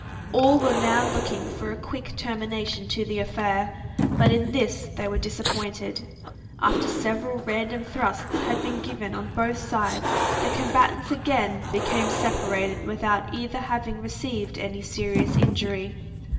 All were now looking for a quick termination to the affair; but in this they were disappointed. After several random thrusts had been given on both sides, the combatants again became separated without either having received any serious injury.